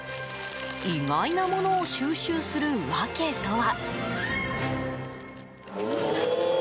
意外なものを収集する訳とは。